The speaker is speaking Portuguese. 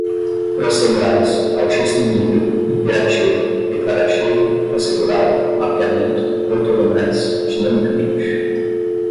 procedurais, altíssimo nível, imperativo, declarativo, procedural, mapeamento, ortogonais, dinamicamente